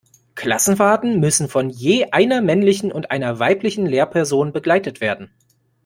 Klassenfahrten müssen von je einer männlichen und einer weiblichen Lehrperson begleitet werden.